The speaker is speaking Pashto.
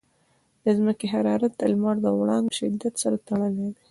د ځمکې حرارت د لمر د وړانګو له شدت سره تړلی دی.